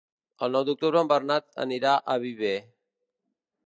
El nou d'octubre en Bernat anirà a Viver.